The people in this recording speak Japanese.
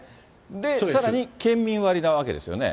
で、さらに県民割なわけですよね。